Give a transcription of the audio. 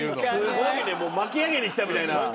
すごいねもう巻き上げに来たみたいな。